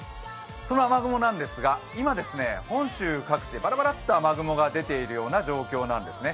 その雨雲ですが、今、本州各地ばらばらっと雨雲が出ているような状況なんですね。